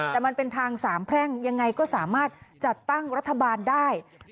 แต่มันเป็นทางสามแพร่งยังไงก็สามารถจัดตั้งรัฐบาลได้